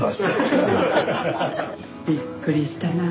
びっくりしたな。